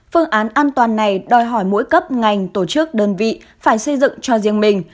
phương án an toàn này đòi hỏi mỗi cấp ngành tổ chức đơn vị phải xây dựng cho riêng mình